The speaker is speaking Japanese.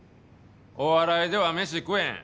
お笑いでは飯食えん！